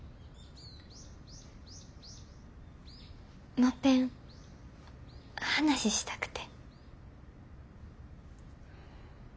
もっぺん話したくて。